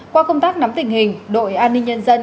qua công tác nắm tình hình đội an ninh nhân dân